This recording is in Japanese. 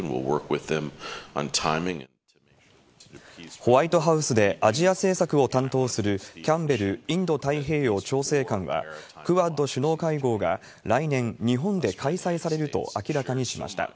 ホワイトハウスでアジア政策を担当するキャンベルインド太平洋調整官は、クアッド首脳会合が来年、日本で開催されると明らかにしました。